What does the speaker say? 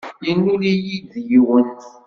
Yennul-iyi-d yiwen.